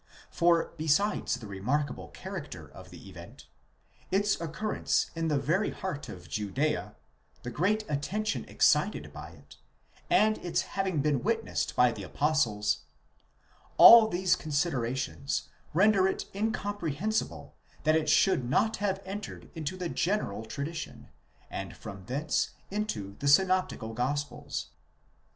For besides the remarkable character of the event, its occurrence in the very heart of Judea, the great attention excited by it, and its having been witnessed by the apostles,—all these considerations render it incomprehensible that it should not have entered into the general tradition, and from thence into the synopti cal gospels.